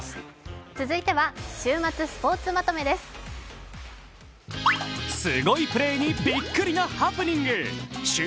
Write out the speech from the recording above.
続いては「週末スポーツまとめ」です。